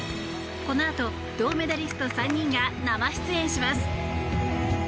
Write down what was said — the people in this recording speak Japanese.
このあと銅メダリスト３人が生出演します。